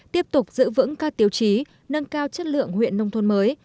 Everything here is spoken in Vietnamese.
tiếp tục giữ vững các tiêu chí nâng cao chất lượng huyện nông thôn mới